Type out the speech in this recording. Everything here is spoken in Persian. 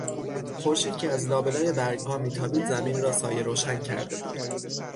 خورشید که از لابلای برگها میتابید زمین را سایهروشن کرده بود.